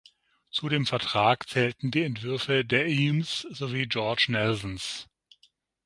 Zu dem Vertrag zählten die Entwürfe der Eames sowie George Nelsons.